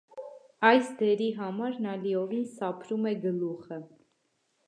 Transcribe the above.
Այս դերի համար նա լիովին սափրում է գլուխը։